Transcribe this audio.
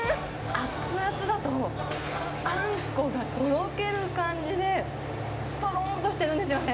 熱々だと、あんこがとろける感じで、とろーんとしてるんですよね。